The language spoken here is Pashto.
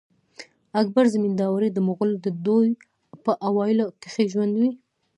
اکبر زمینداوری د مغلو د دوې په اوایلو کښي ژوندی وو.